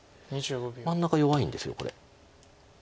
真ん中弱いんですこれ。